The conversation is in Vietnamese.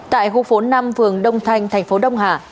tại khu phố năm phường đông thanh tp đông hà